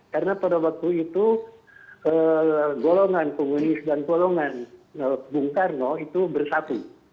karena pada waktu itu golongan komunis dan golongan bung karno itu bersatu